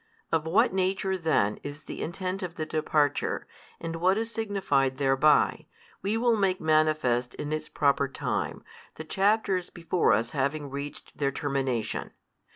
Of what nature then is the intent of the departure, and what is signified thereby, we will make manifest in its proper time, the chapters before us having reached their termination.